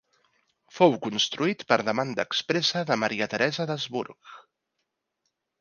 Fou construït per demanda expressa de Maria Teresa d'Habsburg.